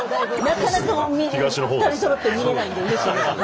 なかなか２人そろって見れないんでうれしいです。